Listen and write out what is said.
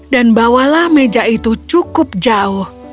dan bawalah meja itu cukup jauh